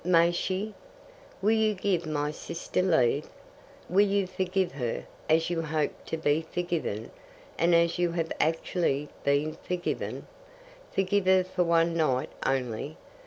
May she? Will you give my sister leave? Will you forgive her as you hope to be forgiven, and as you have actually been forgiven? Forgive her for one night only.